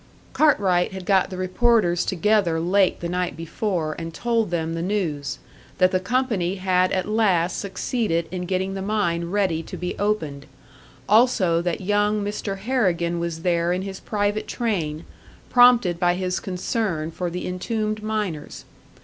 Cartwright had got the reporters together late the night before and told them the news that the company had at last succeeded in getting the mine ready to be opened; also that young Mr. Harrigan was there in his private train, prompted by his concern for the entombed miners.